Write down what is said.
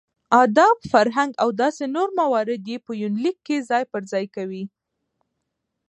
اداب ،فرهنګ او داسې نور موارد يې په يونليک کې ځاى په ځاى کوي .